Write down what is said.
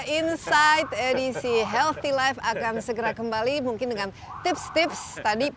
insight edisi healthy life akan segera kembali mungkin dengan tips tips tadi